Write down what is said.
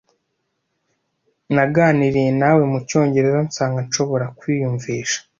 Naganiriye nawe mucyongereza nsanga nshobora kwiyumvisha.